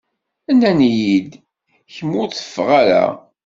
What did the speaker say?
Nnan-iyi-d kemm ur teffeɣ ara.